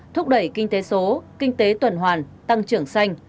thúc đẩy kinh tế số kinh tế tuần hoàn tăng trưởng xanh